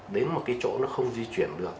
đến một cái chỗ nó không di chuyển được